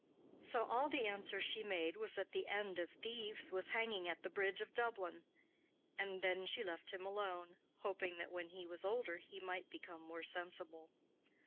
So all the answer she made was that the end of thieves was hanging at the bridge of Dublin, and then she left him alone, hoping that when he was older he might become more sensible.